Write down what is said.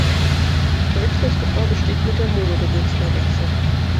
Verwechslungsgefahr besteht mit der Mosor-Gebirgseidechse.